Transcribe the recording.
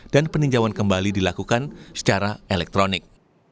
dan peninjauan kembali dilakukan secara elektronik